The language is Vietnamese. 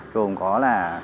gồm có là